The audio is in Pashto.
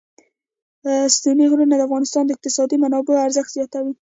ستوني غرونه د افغانستان د اقتصادي منابعو ارزښت زیاتوي.